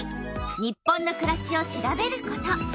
「日本のくらし」を調べること。